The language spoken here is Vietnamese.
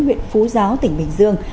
huyện phú giáo tỉnh bình dương